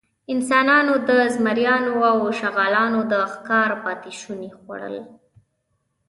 انسانانو د زمریانو او شغالانو د ښکار پاتېشوني خوړل.